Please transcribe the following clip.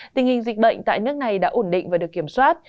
tình hình dịch bệnh tại nước này đã ổn định và được kiểm soát